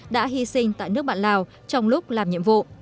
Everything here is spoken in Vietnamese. đã hy sinh tại nước bạn lào trong lúc làm nhiệm vụ